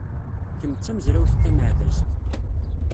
Kemm d tamezrawt tameɛdazt.